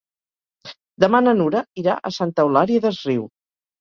Demà na Nura irà a Santa Eulària des Riu.